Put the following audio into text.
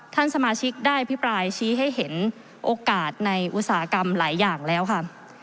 ท่านสมาชิกได้อภิปรายชี้ให้เห็นโอกาสในอุตสาหกรรมหลายอย่างแล้วค่ะ